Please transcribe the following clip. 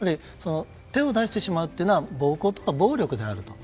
手を出してしまうというのは暴行、暴力である。